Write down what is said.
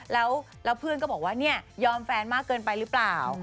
แล้วเพื่อนก็บอกว่าเนี่ยยอมแฟนมากเกินไปหรือเปล่า